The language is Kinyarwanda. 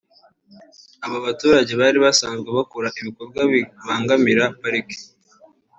Aba baturage bari basanzwe bakora ibikorwa bibangamira Pariki